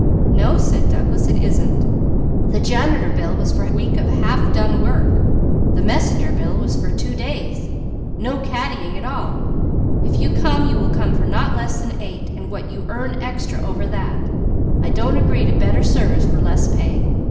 "No," said Douglas, "it isn't! The janitor bill was for a week of half done work. The messenger bill was for two days, no caddying at all. If you come you will come for not less than eight and what you earn extra over that. I don't agree to better service for less pay.